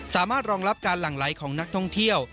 รองรับการหลั่งไหลของนักท่องเที่ยว